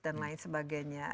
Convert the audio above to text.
dan lain sebagainya